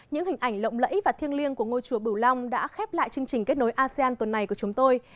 những hình ảnh lộng lẫy và thiêng liêng của ngôi chùa bửu long đã khép lại chương trình kết nối asean tuần này của chúng tôi